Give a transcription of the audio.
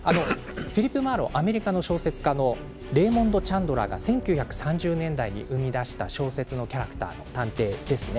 フィリップ・マーロウはアメリカの小説家のレイモンド・チャンドラーが１９３０年代に生み出した小説のキャラクター探偵ですね。